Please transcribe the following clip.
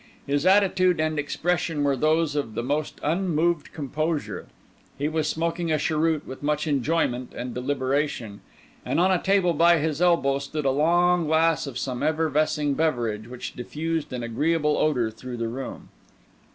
His attitude and expression were those of the most unmoved composure; he was smoking a cheroot with much enjoyment and deliberation, and on a table by his elbow stood a long glass of some effervescing beverage which diffused an agreeable odour through the room.